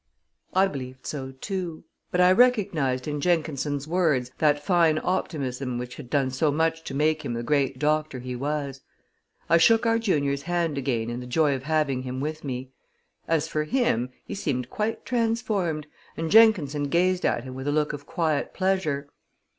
I believed so, too; but I recognized in Jenkinson's words that fine optimism which had done so much to make him the great doctor he was. I shook our junior's hand again in the joy of having him with me. As for him, he seemed quite transformed, and Jenkinson gazed at him with a look of quiet pleasure.